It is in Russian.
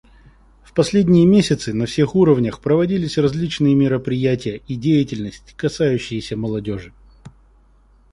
В последние месяцы на всех уровнях проводились различные мероприятия и деятельность, касающиеся молодежи.